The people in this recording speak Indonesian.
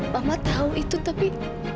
mama tahu itu tapi